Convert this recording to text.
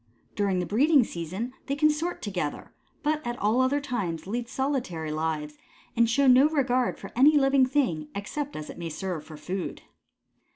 During the breeding season they consort together, but at all other times lead solitary lives and show no regard for any living thing except as it may serve for food.